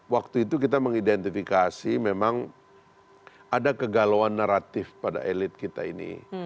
waktu itu kita mengidentifikasi memang ada kegalauan naratif pada elit kita ini